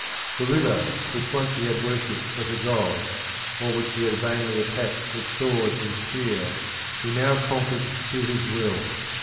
The river which once he had worshipped as a god, or which he had vainly attacked with sword and spear, he now conquered to his will.